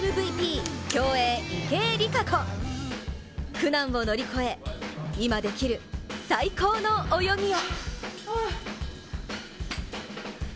苦難を乗り越え、今できる最高の泳ぎを。